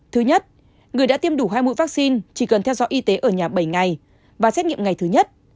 thứ nhất người đã tiêm đủ hai mũi vaccine chỉ cần theo dõi y tế ở nhà bảy ngày và xét nghiệm ngày thứ nhất